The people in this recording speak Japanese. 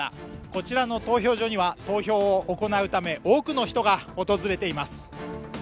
こちらの投票所には投票を行うため、多くの人が訪れています。